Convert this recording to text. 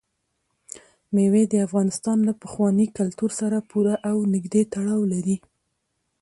مېوې د افغانستان له پخواني کلتور سره پوره او نږدې تړاو لري.